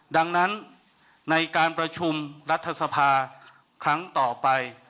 ดังนั้นในการประชุมรัฐสภาครั้งต่อไป